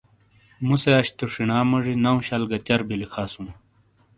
مُوسے اش تو شینا موجی نو شل گہ چربیو لکھاسُوں۔